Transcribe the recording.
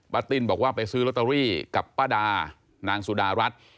ติ้นบอกว่าไปซื้อลอตเตอรี่กับป้าดานางสุดารัฐ